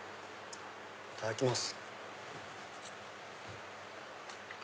いただきます。